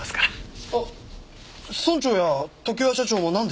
あっ村長や常盤社長はなんで？